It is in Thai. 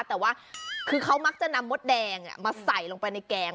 แต่ว่าคือเขามักจะนำมดแดงมาใส่ลงไปในแกง